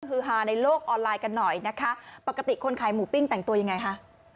คือฮาในโลกออนไลน์กันหน่อยนะคะปกติคนขายหมูปิ้งแต่งตัวยังไงคะ